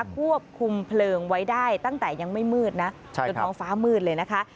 ควบคุมเพลิงไว้ได้ตั้งแต่ยังไม่มืดนะจนท้องฟ้ามืดเลยนะคะ